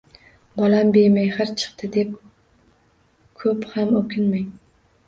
Bolam bemehr chiqdi, deb, ko’p ham o’kinmang.